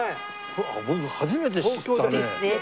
僕初めて知ったね。ですね。